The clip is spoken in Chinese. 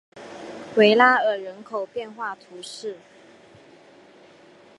维拉尔人口变化图示